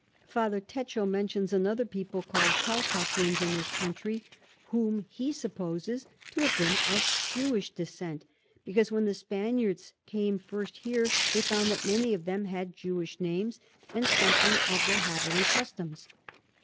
Father Techo mentions another People nam'd Calchaquins in this Country, whom he supposes to have been of Jewish Descent, because when the Spaniards came first here, they found that many of them had Jewish Names, and something of their Habit and Customs.